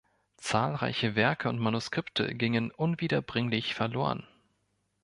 Zahlreiche Werke und Manuskripte gingen unwiederbringlich verloren.